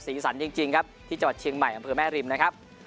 สันจริงครับที่จังหวัดเชียงใหม่อำเภอแม่ริมนะครับ